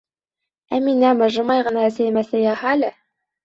Әминә, мыжымай ғына әсәйемә сәй яһа әле.